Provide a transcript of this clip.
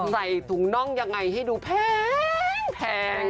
ใส่ถุงน่องยังไงให้ดูแพงคุณผู้ชม